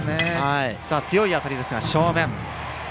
強い当たりでしたが、正面。